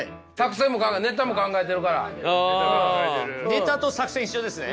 ネタと作戦一緒ですね。